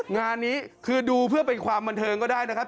งานนี้คือดูเพื่อเป็นความบันเทิงก็ได้นะครับ